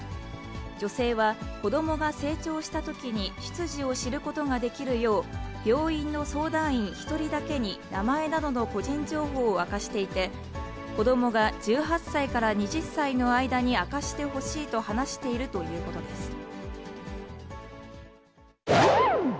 女性は、子どもが成長したときに、出自を知ることができるよう、病院の相談員１人だけに、名前などの個人情報を明かしていて、子どもが１８歳から２０歳の間に明かしてほしいと話しているということです。